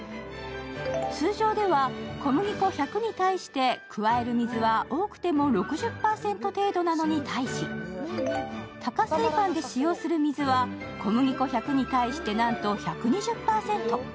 通常では、小麦粉１００に対して加える水は多くても６０％程度なのに対し多加水パンで使用する水は小麦粉１００に対してなんと１２０％。